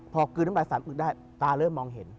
พอกลืนน้ำลายสามอึกได้ตาเริ่มมองเห็น